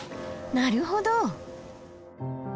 なるほど！